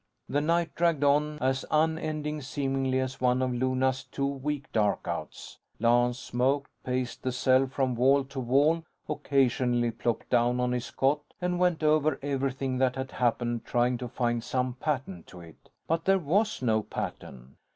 The night dragged on, as unending seemingly as one of Luna's two week darkouts. Lance smoked, paced the cell from wall to wall, occasionally plopped down on his cot and went over everything that had happened, trying to find some pattern to it. But there was no pattern.